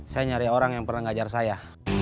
saya nyari orang yang pernah ngajar saya